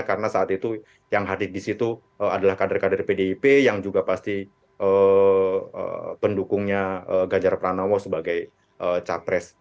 karena saat itu yang hadir di situ adalah kader kader pdip yang juga pasti pendukungnya ganjar pranowo sebagai capres